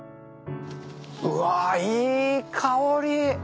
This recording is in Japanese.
うわいい香り。